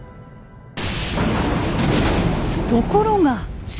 ところが。